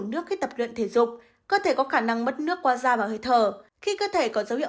nước khi tập luyện thể dục cơ thể có khả năng mất nước qua da và hơi thở khi cơ thể có dấu hiệu